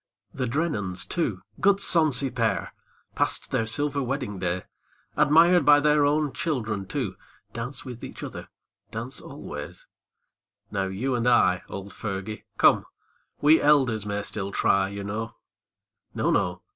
The Drennens too, good sonsy pair, Passed their silver wedding day, 139 END OF HARDEST. Admired by their own children too, Dance with each other, dance alway. Now you and I, old Fergie, come, We elders may still try, you know, No, no